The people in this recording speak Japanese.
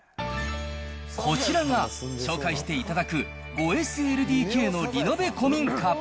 こちらが紹介していただく５ＳＬＤＫのリノベ古民家。